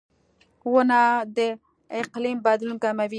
• ونه د اقلیم بدلون کموي.